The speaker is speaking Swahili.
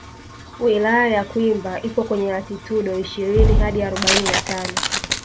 Wilaya ya Kwimba ipo kwenye latitudo ishirini hadi arobaini na tano